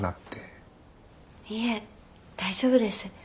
いえ大丈夫です。